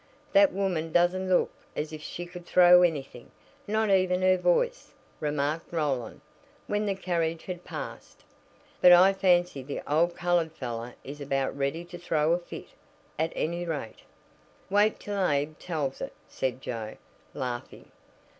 "That woman doesn't look as if she could throw anything not even her voice," remarked Roland, when the carriage had passed. "But I fancy the old colored fellow is about ready to 'throw a fit,' at any rate." "Wait till Abe tells it," said Joe, laughing.